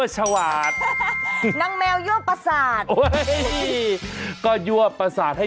สวัสดีครับคุณสุภัสรา